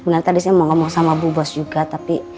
sebenarnya tadi saya mau ngomong sama bu bos juga tapi